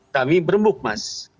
kami berembuk mas